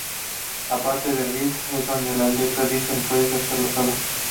Aparte del riff- es donde las letras dicen "¿Puedes hacerlo sola?